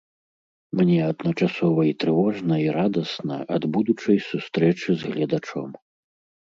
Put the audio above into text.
Мне адначасова і трывожна, і радасна ад будучай сустрэчы з гледачом.